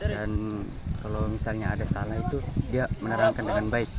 dan kalau misalnya ada salah itu dia menerangkan dengan baik